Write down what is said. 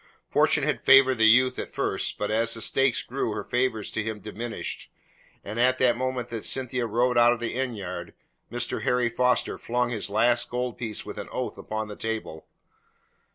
Fortune had favoured the youth at first, but as the stakes grew her favours to him diminished, and at the moment that Cynthia rode out of the inn yard, Mr. Harry Foster flung his last gold piece with an oath upon the table.